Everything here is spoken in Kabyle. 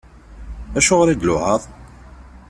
Acuɣeṛ i d-tluɛaḍ?